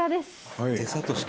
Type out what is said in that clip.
はい。